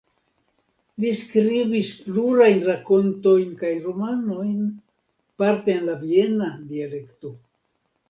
Li skribis plurajn rakontojn kaj romanojn, parte en la viena dialekto.